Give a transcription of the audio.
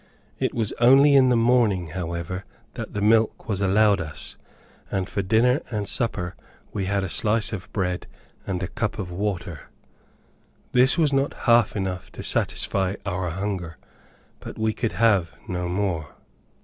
It was only in the morning, however, that the milk was allowed us, and for dinner and supper we had a slice of bread and a cup of water. This was not half enough to satisfy our hunger; but we could have no more.